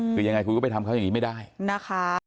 คือยังไงคุณก็ไปทำเขาอย่างนี้ไม่ได้นะคะ